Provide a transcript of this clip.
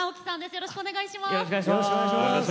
よろしくお願いします。